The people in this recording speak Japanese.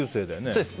そうです。